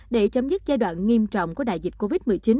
để chấm dứt giai đoạn nghiêm trọng của đại dịch covid một mươi chín